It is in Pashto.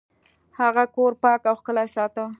هغه کور پاک او ښکلی ساته.